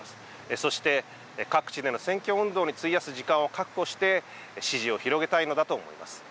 そして、各地での選挙運動に費やす時間を確保して支持を広げたいのだと思います。